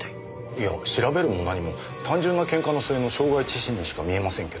いや調べるも何も単純なケンカの末の傷害致死にしか見えませんけど。